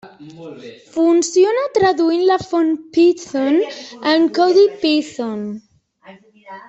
Funciona traduint la font Python en codi Python.